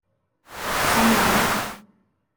心諗